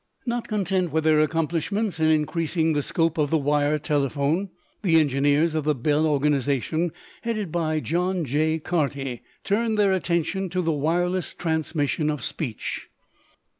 Not content with their accomplishments in increasing the scope of the wire telephone, the engineers of the Bell organization, headed by John J. Carty, turned their attention to the wireless transmission of speech.